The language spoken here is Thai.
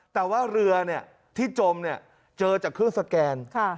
แต่ว่าเรือเนี้ยที่จมเนี้ยเจอจากเครื่องสแกนค่ะ